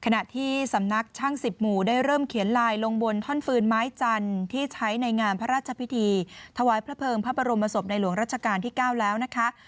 ขณะที่สำนักช่างสิบหมู่ได้เริ่มเขียนลายลงบนท่อนฟืนไม้จันทร์ที่ใช้ในงานพระราชพิธีถวายพระเภิงพระบรมศพในหลวงรัชกาลที่๙แล้วนะคะ